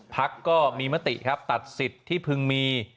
พักก็มีมติครับตัดสิทธิ์ที่พึงมี